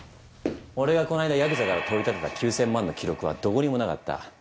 俺がこないだやくざから取り立てた９，０００万の記録はどこにもなかった。